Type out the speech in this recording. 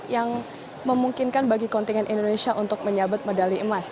yang memungkinkan bagi kontingen indonesia untuk menyabet medali emas